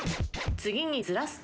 次にずらすと？